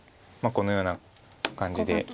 このような感じで。